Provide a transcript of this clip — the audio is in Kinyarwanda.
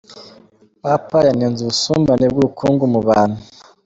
Papa yanenze ubusumbane bw’ubukungu mu bantu